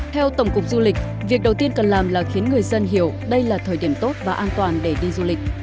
theo tổng cục du lịch việc đầu tiên cần làm là khiến người dân hiểu đây là thời điểm tốt và an toàn để đi du lịch